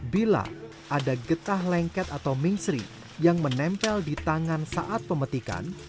bila ada getah lengket atau mingsri yang menempel di tangan saat pemetikan